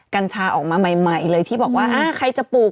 กัญชาออกมาใหม่เลยที่บอกว่าใครจะปลูก